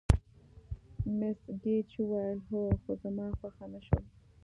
مس ګېج وویل: هو، خو زما خوښه نه شول.